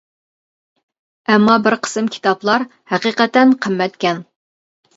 ئەمما بىر قىسىم كىتابلار ھەقىقەتەن قىممەتكەن.